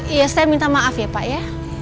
iya saya minta maaf ya pak ya